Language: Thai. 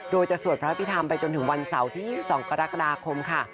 โดยจะสวดพระพิธรรมไปจนถึงวันเสาร์ที่๒๒กรกฎาคมค่ะ